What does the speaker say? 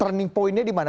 turning pointnya dimana